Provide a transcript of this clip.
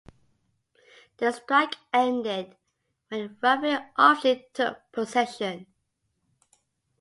The strike ended when Ruffin officially took possession.